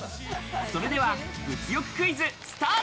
それでは物欲クイズ、スター